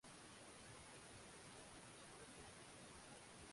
Kongamano liliandaliwa na taasisi ya Uongozi Tanzania